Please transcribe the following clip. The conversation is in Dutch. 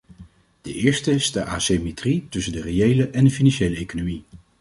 De eerste is de asymmetrie tussen de reële en de financiële economie.